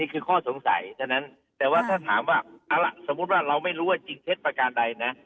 นี่คือข้อสงสัยถ้าถามว่าเอาละสมมุติว่าเราไม่รู้ว่าจริงเท็จประการใดนะ